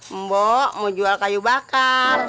mbok mau jual kayu bakar